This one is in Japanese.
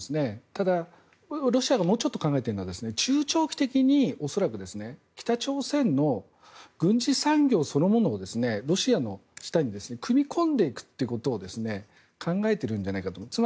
ただ、ロシアがもうちょっと考えているのは中長期的に、恐らく北朝鮮の軍事産業そのものをロシアの下に組み込んでいくことを考えているんじゃないかと思います。